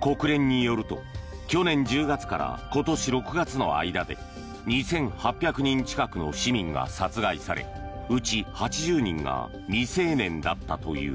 国連によると去年１０月から今年６月の間で２８００人近くの市民が殺害されうち８０人が未成年だったという。